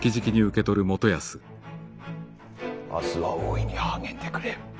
明日は大いに励んでくれ。